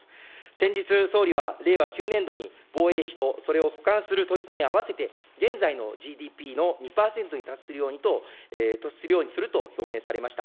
先日、総理は令和９年度に、防衛費とそれを補完する取り組み、あわせて現在のＧＤＰの２％に達するようにすると表明されました。